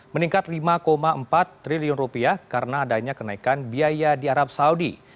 meningkat lima empat triliun rupiah karena adanya kenaikan biaya di arab saudi